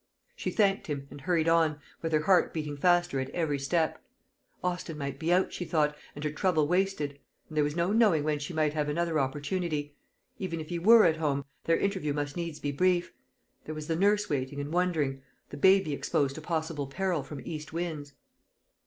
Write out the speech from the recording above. She thanked him, and hurried on, with her heart beating faster at every step. Austin might be out, she thought, and her trouble wasted; and there was no knowing when she might have another opportunity. Even if he were at home, their interview must needs be brief: there was the nurse waiting and wondering; the baby exposed to possible peril from east winds.